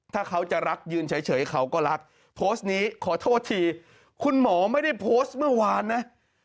ถ้าเขาจะรักยืนเฉยเขาก็รักโพสต์นี้ขอโทษทีคุณหมอไม่ได้โพสต์เมื่อวานนะ